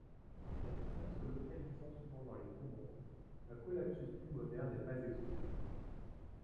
La tumeur se localisant souvent dans les poumons, un collapsus pulmonaire n'est pas exclu.